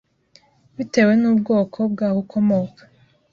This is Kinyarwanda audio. bitewe n’ubwoko bwaho ukomoka.